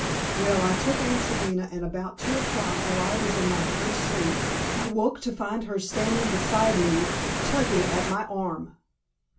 Well, I took Aunt Selina, and about two o'clock, while I was in my first sleep, I woke to find her standing beside me, tugging at my arm.